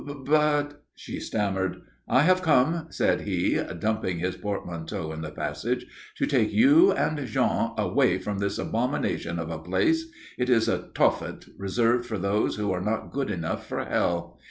but " she stammered. "I have come," said he, dumping his portmanteau in the passage, "to take you and Jean away from this abomination of a place. It is a Tophet reserved for those who are not good enough for hell.